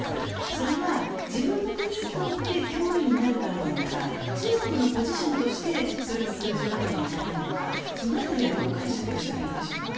それは自分の国にとって脅威になるからなのか中国のポジションとしてそれを認めるわけにはいかないのかその辺りはどう解釈したらいいんでしょうか。